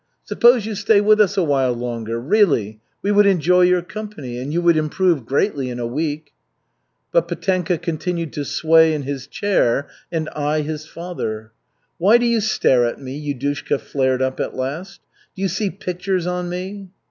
Suppose you stay with us a while longer really. We would enjoy your company, and you would improve greatly in a week." But Petenka continued to sway in his chair and eye his father. "Why do you stare at me?" Yudushka flared up at last. "Do you see pictures on me?"